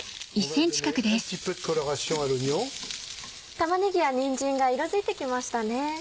玉ねぎやにんじんが色づいて来ましたね。